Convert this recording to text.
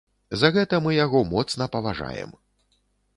За гэта мы яго моцна паважаем.